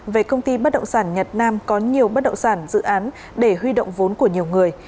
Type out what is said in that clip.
về công ty bất động sản nhật nam có nhiều bất động sản dự án để huy động vốn của nhiều người